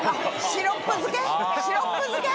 シロップ漬け？